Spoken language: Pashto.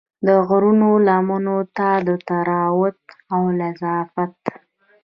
د غرو لمنو ته د طراوت او لطافت